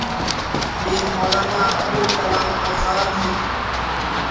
یہ مولانا ابوالکلام آزاد ہیں۔